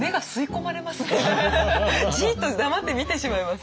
じっと黙って見てしまいます。